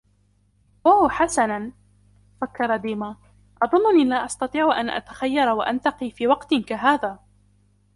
" أوه ، حسنًا... " فكر ديما. " أظنني لا أستطيع أن أتخير وأنتقي في وقت كهذا ".